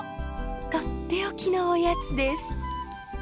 取って置きのおやつです。